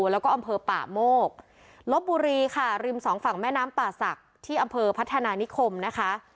แล้วก็อำเภอป่าโมกลบบุรีค่ะริมสองฝั่งแม่น้ำป่าศักดิ์ที่อำเภอพัฒนานิคมนะคะ